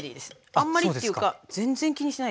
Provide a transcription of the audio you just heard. あんまりっていうか全然気にしないでいいです。